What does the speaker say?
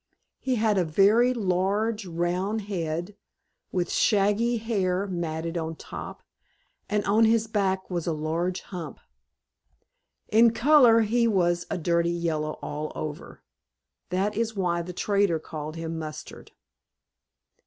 He had a very large, round head, with shaggy hair matted on top, and on his back was a large hump. In color he was a dirty yellow all over. That is why the trader called him Mustard.